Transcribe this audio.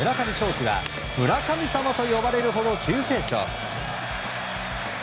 樹は村神様と呼ばれるほど急成長。